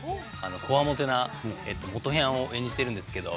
こわもてな元ヤンを演じてるんですけど